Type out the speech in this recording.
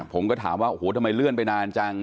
ผมก็ถามว่าโอ้โหทำไมเลื่อนไปนานจัง